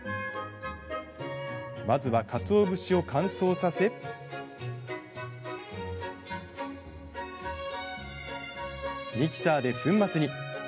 まずは、かつお節を乾燥させミキサーで粉末に。